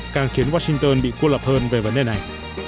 càng khiến washington bị cô lập hơn về vấn đề này